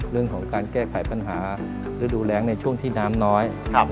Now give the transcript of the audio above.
เรื่องของการแก้ไขปัญหาฤดูแรงในช่วงที่น้ำน้อย